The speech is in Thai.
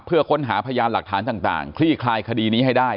เพื่อค้นหาพยานหลักฐานต่างคลี่คลายคดีนี้ให้ได้